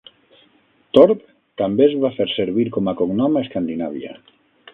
"Torp" també es va fer servir com a cognom a Escandinàvia.